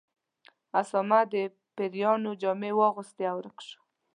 اسامه د پیریانو جامې واغوستې او ورک شو.